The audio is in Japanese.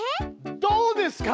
どうですか！